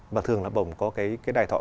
và thường là bổng có cái đài thọ